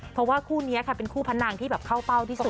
เพราะว่าคู่นี้ค่ะเป็นคู่พนังที่แบบเข้าเป้าที่สุด